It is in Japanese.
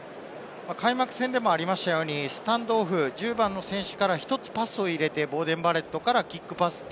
開幕戦でもあったように、１０番の選手から１つパスを入れてボーデン・バレットからキックパス。